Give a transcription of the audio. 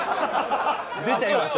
出ちゃいました。